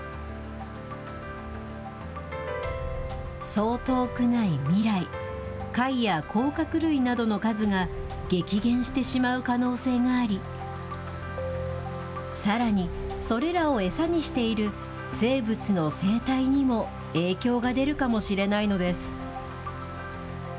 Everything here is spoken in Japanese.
そう遠くない未来、貝や甲殻類などの数が激減してしまう可能性があり、さらにそれらを餌にしている生物の生態にも影響が出るかもしれないのです。